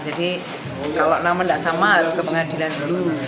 jadi kalau nama nggak sama harus ke pengadilan dulu